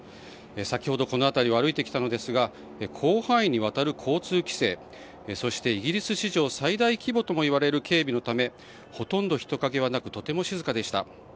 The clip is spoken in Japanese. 先ほど、この辺りを歩いてきたのですが広範囲にわたる交通規制そしてイギリス史上最大規模ともいわれる警備のため、ほとんど人影はなくとても静かでした。